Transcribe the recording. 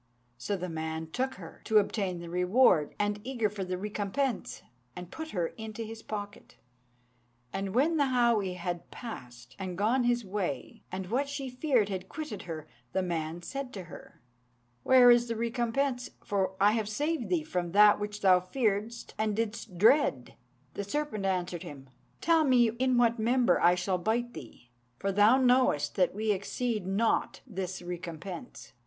So the man took her, to obtain the reward, and eager for the recompense, and put her into his pocket; and when the Háwee had passed and gone his way, and what she feared had quitted her, the man said to her, 'Where is the recompense, for I have saved thee from that which thou fearedst and didst dread?' The serpent answered him, 'Tell me in what member I shall bite thee; for thou knowest that we exceed not this recompense.'